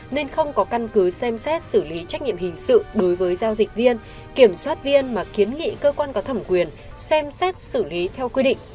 nên không có căn cứ xem xét xử lý trách nhiệm hình sự đối với giao dịch viên kiểm soát viên mà kiến nghị cơ quan có thẩm quyền xem xét xử lý theo quy định